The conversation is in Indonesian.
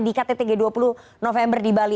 di kttg dua puluh november di bali